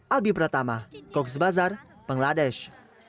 albi pratama kogsbazar bangladesh